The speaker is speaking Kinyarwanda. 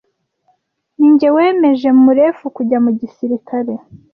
Ninjye wemeje Mulefu kujya mu gisirikare.